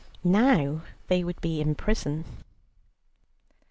Now they would be in prison.